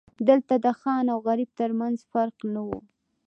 دلته د خان او غریب ترمنځ فرق نه و.